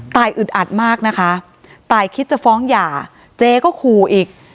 อึดอัดมากนะคะตายคิดจะฟ้องหย่าเจก็ขู่อีก